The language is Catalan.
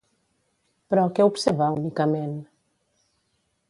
Però què observa, únicament?